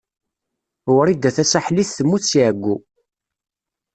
Wrida Tasaḥlit temmut seg ɛeyyu.